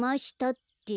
って。